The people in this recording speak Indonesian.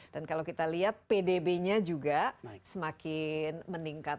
dan kalau kita lihat pdb nya juga semakin meningkat